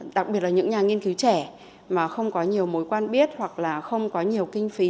đặc biệt là những nhà nghiên cứu trẻ mà không có nhiều mối quan biết hoặc là không có nhiều kinh phí